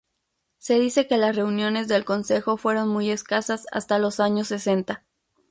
Se dice que las reuniones del consejo fueron muy escasas hasta los años sesenta.